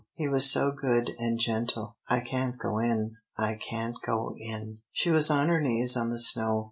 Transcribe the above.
He was so good and gentle. I can't go in I can't go in." She was on her knees on the snow.